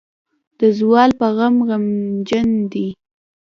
د زوال پۀ غم غمژن دے ۔